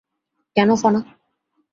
কেনো, ফনা।